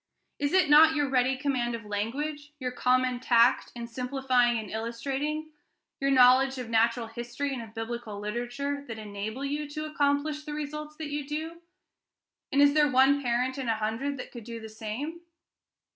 Is it not your ready command of language, your uncommon tact in simplifying and illustrating, your knowledge of natural history and of Biblical literature, that enable you to accomplish the results that you do? And is there one parent in a hundred that could do the same?